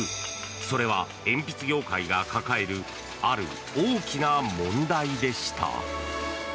それは鉛筆業界が抱えるある大きな問題でした。